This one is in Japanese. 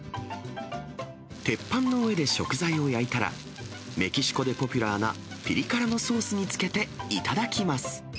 鉄板の上で食材を焼いたら、メキシコでポピュラーな、ピリ辛のソースをつけて、いただきます。